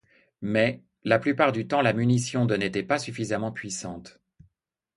Mais, la plupart du temps la munition de n'était pas suffisamment puissante.